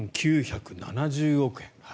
２９７０億円。